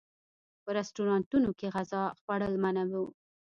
په رسټورانټونو کې غذا خوړل منع و.